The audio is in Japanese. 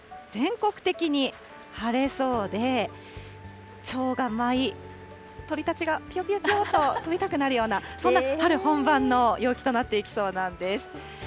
全国的に晴れそうで、ちょうが舞い、鳥たちがぴよぴよぴよっと飛びたくなるような、そんな春本番の陽気となっていきそうなんです。